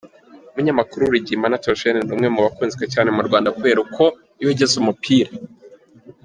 Umunyamakuru Rugimbana Theogene ni umwe mu bakunzwe cyane mu Rwanda kubera uko yogeza umupira.